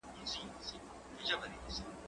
انځورونه رسم کړه،